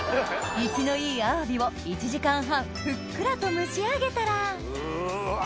生きのいいアワビを１時間半ふっくらと蒸し上げたらうわ